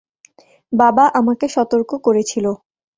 বাবা আমাকে সতর্ক করেছিল!